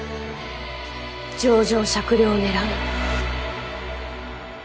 情状酌量を狙う。